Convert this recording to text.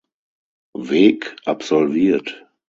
Weg absolviert.